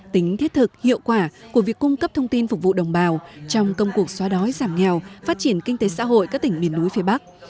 tính thiết thực hiệu quả của việc cung cấp thông tin phục vụ đồng bào trong công cuộc xóa đói giảm nghèo phát triển kinh tế xã hội các tỉnh miền núi phía bắc